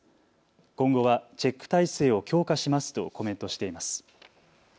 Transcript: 今後はチェック体制を強化しますとコメントしています。